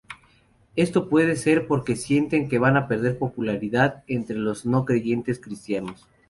Esto puede ser porque sienten que van a perder popularidad entre los no-creyentes cristianos.